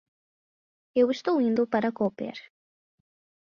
Eu estou indo para Koper.